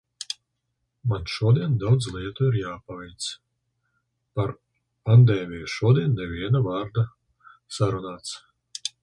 Man šodien daudz lietu ir jāpaveic. Par pandēmiju šodien neviena vārda. Sarunāts!